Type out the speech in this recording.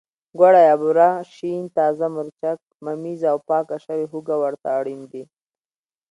ګوړه یا بوره، شین تازه مرچک، ممیز او پاکه شوې هوګه ورته اړین دي.